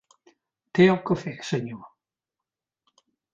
Te o cafè, senyor?